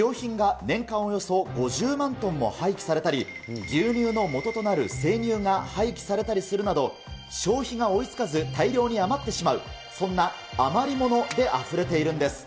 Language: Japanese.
今、日本では衣料品が年間およそ５０万トンも廃棄されたり、牛乳のもととなる生乳が廃棄されたりするなど、消費が追いつかず、大量に余ってしまう、そんな余り物であふれているんです。